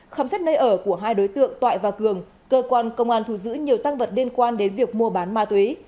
khám xét nơi ở của hai đối tượng toại và cường cơ quan công an thu giữ nhiều tăng vật liên quan đến việc mua bán ma túy